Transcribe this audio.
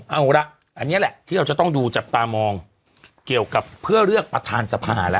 เอาละอันนี้แหละที่เราจะต้องดูจับตามองเกี่ยวกับเพื่อเลือกประธานสภาแล้ว